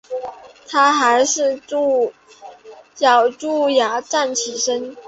她还是咬著牙站起身